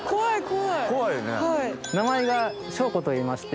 名前が祥子といいまして。